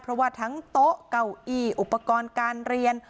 เพราะว่าทั้งโต๊ะเก้าอี้อุปกรณ์การเรียน